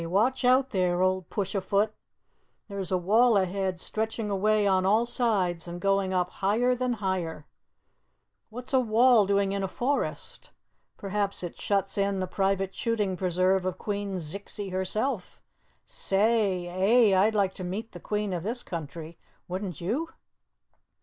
Watch out, there old Push a Foot! There's a wall ahead stretching away on all sides and going up higher than higher. What's a wall doing in a forest? Perhaps it shuts in the private shooting preserve of Queen Zixie herself. Say ay I'd like to meet the Queen of this country, wouldn't you?"